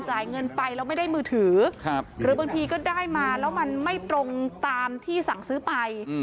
จ่ายเงินไปแล้วไม่ได้มือถือหรือบางทีก็ได้มาแล้วมันไม่ตรงตามที่สั่งซื้อไป